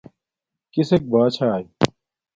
کسک باہ چھاݵ